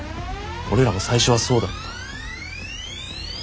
俺らも最初はそうだった。